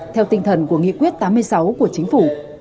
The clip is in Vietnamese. theo tinh thần của nghị quyết tám mươi sáu của chính phủ